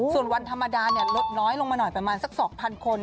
ส่วนวันธรรมดาลดน้อยลงมาหน่อยประมาณสัก๒๐๐คน